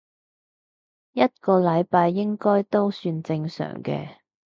一個禮拜應該都算正常嘅